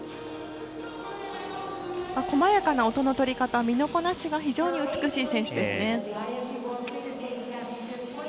こまやかな音の取り方身のこなしが非常に美しい選手ですね。